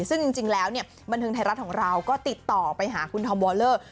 ซึ่งจริงแล้วบนทึงธรรดิ์ของเราก็ติดต่อไปหาคุณธอมวอลเลอร์